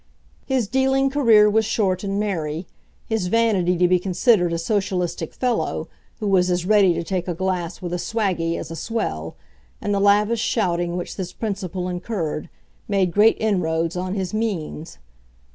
His dealing career was short and merry. His vanity to be considered a socialistic fellow, who was as ready to take a glass with a swaggie as a swell, and the lavish shouting which this principle incurred, made great inroads on his means.